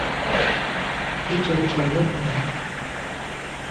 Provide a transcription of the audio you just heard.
一九九六年